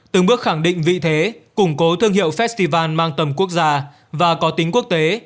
từng bước khẳng định vị thế củng cố thương hiệu festival mang tầm quốc gia và có tính quốc tế